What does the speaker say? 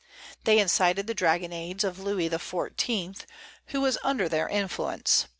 They incited the dragonnades of Louis XIV., who was under their influence.